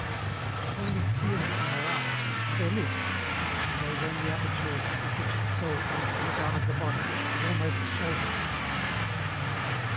There is a holy clearness in their eyes, and their lips, in those only apertures through which the soul comes to look out of the body, and almost shows itself."